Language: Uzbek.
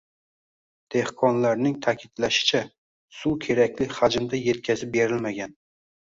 Dehqonlarning ta’kidlashicha, suv kerakli hajmda yetkazib berilmagan.